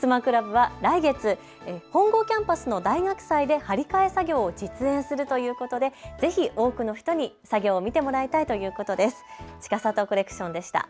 襖クラブは来月、本郷キャンパスの大学祭で張り替え作業を実演するということでぜひ多くの人に作業を見てもらいたいということです。